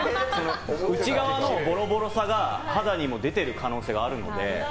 内側のボロボロさが肌にも出てる可能性があるので。